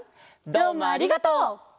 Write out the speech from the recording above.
どうもありがとう！